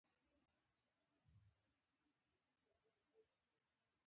دوی څو ځله زه او زما ملګري ټېل وهلو